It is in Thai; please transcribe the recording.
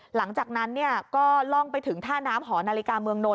หลังจากนั้นก็ล่องไปถึงท่าน้ำหอนาฬิกาเมืองนนท